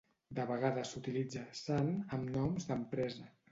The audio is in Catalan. De vegades s'utilitza "san" amb noms d'empresa.